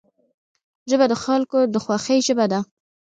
ژبه د خلکو د خوښۍ ژبه ده